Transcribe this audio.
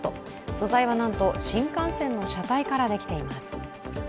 素材はなんと新幹線の車体からできています。